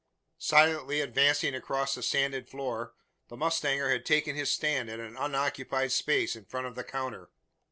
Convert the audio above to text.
Silently advancing across the sanded floor, the mustanger had taken his stand at an unoccupied space in front of the counter.